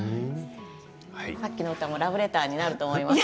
さっきの歌もラブレターになると思いますよ。